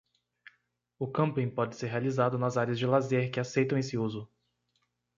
O camping pode ser realizado nas áreas de lazer que aceitam esse uso.